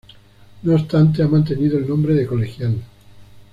No obstante, ha mantenido el nombre de colegial.